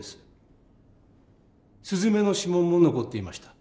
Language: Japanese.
すずめの指紋も残っていました。